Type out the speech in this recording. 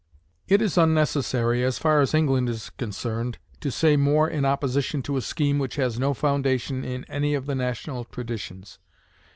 It is unnecessary, as far as England is concerned, to say more in opposition to a scheme which has no foundation in any of the national traditions.